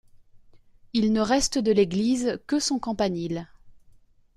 Il ne reste de l'église que son campanile.